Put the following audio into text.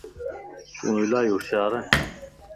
تون الائي هوشيار ائين